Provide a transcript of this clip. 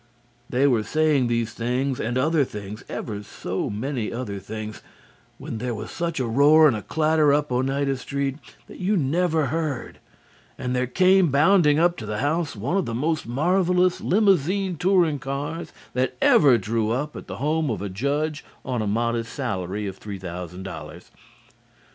They were saying these things and other things ever so many other things when there was such a roar and a clatter up Oneida Street as you never heard, and there came bounding up to the house one of the most marvellous Limousine touring cars that ever drew up at the home of a judge on a modest salary of three thousand dollars.